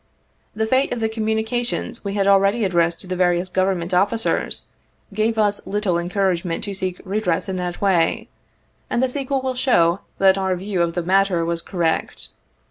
The fate of the communications we had al ready addressed to the various Government officers, gave us little encouragement to seek redress in that way, and the sequel will show that our view of the matter was correct.